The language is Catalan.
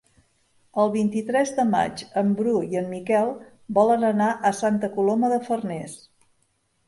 El vint-i-tres de maig en Bru i en Miquel volen anar a Santa Coloma de Farners.